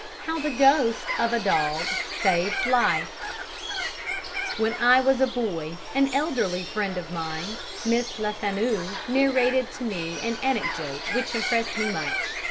How the Ghost of a Dog saved Life When I was a boy, an elderly friend of mine, Miss Lefanu, narrated to me an anecdote which impressed me much.